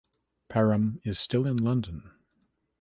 Param is still in London.